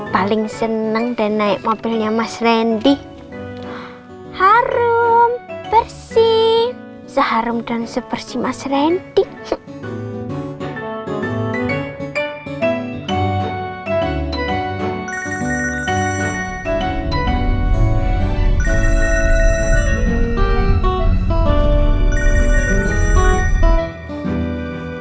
paling seneng dan naik mobilnya mas randy harum bersih seharum dan sebersih mas randy